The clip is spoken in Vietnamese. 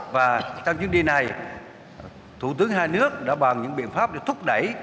và trong chuyến đi này thủ tướng hai nước đã bàn những biện pháp để thúc đẩy